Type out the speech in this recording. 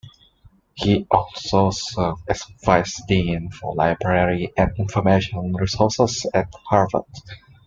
He also served as vice dean for Library and Information Resources at Harvard.